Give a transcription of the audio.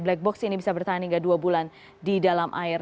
black box ini bisa bertahan hingga dua bulan di dalam air